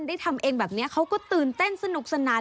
ทำเองแบบนี้เขาก็ตื่นเต้นสนุกสนาน